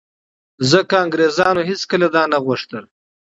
ځکه انګرېزانو هېڅکله دا نه غوښتل